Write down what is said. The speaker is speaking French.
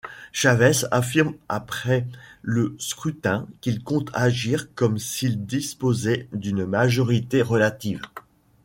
Chaves affirme après le scrutin qu'il compte agir comme s'il disposait d'une majorité relative.